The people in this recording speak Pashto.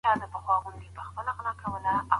هغه هیڅ وخت په درواغو پلمه نه وه جوړه کړې.